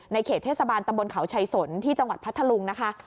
เขตเทศบาลตำบลเขาชัยสนที่จังหวัดพัทธลุงนะคะ